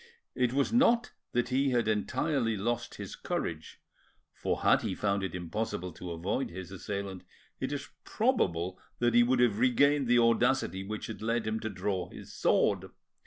It was not that he had entirely lost his courage, for had he found it impossible to avoid his assailant it is probable that he would have regained the audacity which had led him to draw his sword.